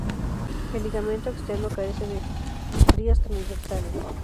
El ligamento externo carece de estrías transversales.